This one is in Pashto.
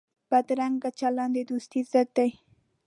بدرنګه چلند د دوستۍ ضد دی